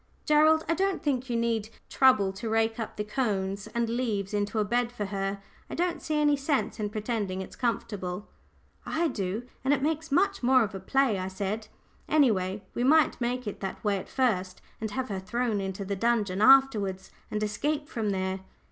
Gerald, I don't think you need trouble to rake up the cones and leaves into a bed for her. I don't see any sense in pretending it's comfortable." "I do and it makes it much more of a play," I said. "Any way, we might make it that way at first, and have her thrown into the dungeon afterwards, and escape from there."